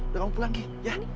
udah kamu pulang ya